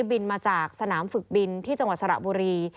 บินมาจากสนามฝึกบินที่จังหวัดสระบุรี